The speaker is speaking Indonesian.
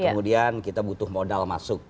kemudian kita butuh modal masuk